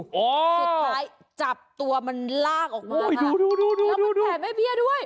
สุดท้ายจับตัวมันลากออกมาแล้วมันแผ่นให้เบี้ยด้วย